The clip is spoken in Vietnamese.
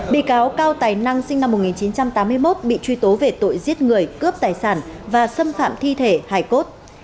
bị cáo cao tài năng sinh năm một nghìn chín trăm tám mươi một bị truy tố về tội giết người cướp tài sản và xâm phạm thi thể hải cốt